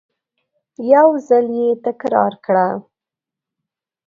یو ځل یې تکرار کړه !